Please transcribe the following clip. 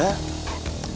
sama temen temen kita